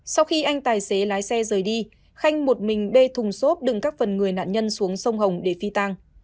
sau khi anh tài xế lái xe rời đi khanh một mình bê thùng xốp đựng các phần người nạn nhân xuống sông hồng để phi tang